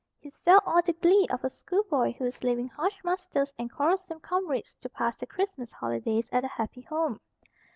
He felt all the glee of a schoolboy who is leaving harsh masters and quarrelsome comrades to pass the Christmas holidays at a happy home.